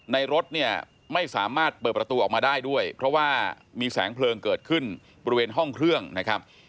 รถเนี่ยไม่สามารถเปิดประตูออกมาได้ด้วยเพราะว่ามีแสงเพลิงเกิดขึ้นบริเวณห้องเครื่องนะครับ